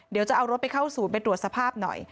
เดี๋ยวจะเอารถไปเข้าศูนย์ไปตรวจสภาพหน่อย